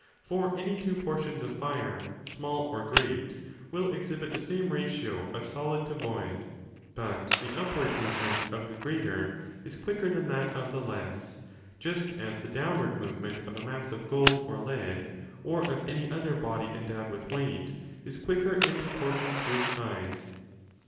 For any two portions of fire, small or great, will exhibit the same ratio of solid to void; but the upward movement of the greater is quicker than that of the less, just as the downward movement of a mass of gold or lead, 15 or of any other body endowed with weight, is quicker in proportion to its size.